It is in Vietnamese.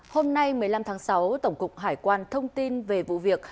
hôm nay một mươi năm tháng sáu tổng cục hải quan thông tin về vụ việc